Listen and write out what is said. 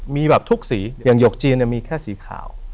มีแบบทุกสีอย่างหยกจีนมีแค่สีขาว